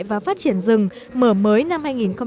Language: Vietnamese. và phát triển rừng mở mới năm hai nghìn một mươi bảy